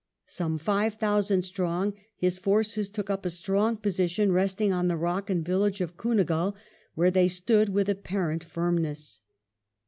Some five thousand strong, his forces took up a strong position resting on the rock and village of CoonaghuU, where they "stood with apparent firmness."